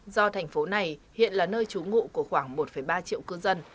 do thành phố này hiện là nơi trú ngụ của khoảng một ba triệu cư dân